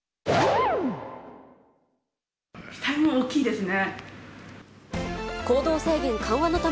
期待は大きいですね。